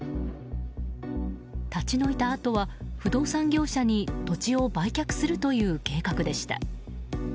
立ち退いたあとは、不動産業者に土地を売却するという計画でした。